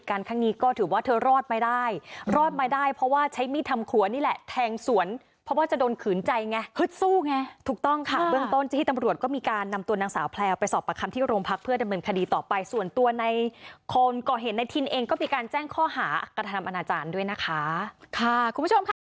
การนำตัวนางสาวแพรวไปสอบประคัมที่โรงพักษณ์เพื่อดำเนินคดีต่อไปส่วนตัวในคนกอเหตุในทินเองก็มีการแจ้งข้อหาอักฏธนามอาณาจารย์ด้วยนะคะค่ะคุณผู้ชมค่ะ